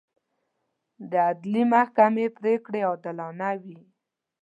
د عدلي محکمې پرېکړې عادلانه وي.